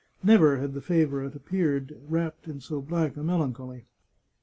Never had the favourite appeared wrapped in so black a melancholy.